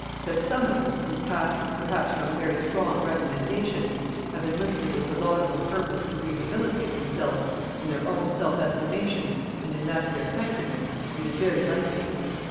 That some of them, whose past was perhaps not a very strong recommendation, have enlisted with the laudable purpose to rehabilitate themselves in their own self estimation and in that of their countrymen, it is very likely.